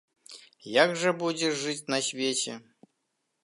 Як жа будзеш жыць на свеце?